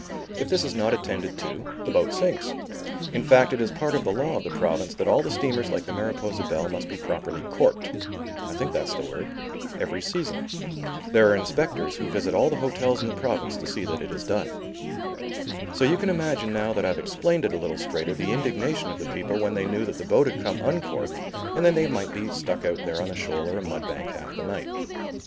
If this is not attended to, the boat sinks. In fact, it is part of the law of the province that all the steamers like the Mariposa Belle must be properly corked, I think that is the word, every season. There are inspectors who visit all the hotels in the province to see that it is done. So you can imagine now that I've explained it a little straighter, the indignation of the people when they knew that the boat had come uncorked and that they might be stuck out there on a shoal or a mud bank half the night.